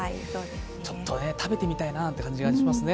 ちょっと食べてみたいなという感じがしますね。